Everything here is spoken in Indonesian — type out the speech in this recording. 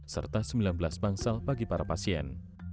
serta sembilan belas bangsal bagi para pasien